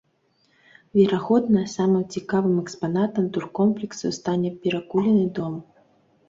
Верагодна, самым цікавым экспанатам туркомплексу стане перакулены дом.